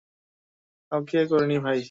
কাউকে করিনি, ভাই।